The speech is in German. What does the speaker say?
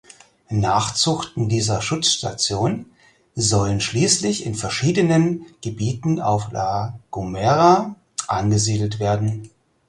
Nachzuchten dieser Schutzstation sollen schließlich in verschiedenen Gebieten auf La Gomera angesiedelt werden.